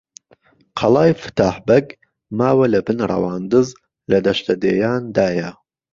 قهڵای فتاحبهگ ماوهلهبن ڕەواندز له دهشته دێیان دایه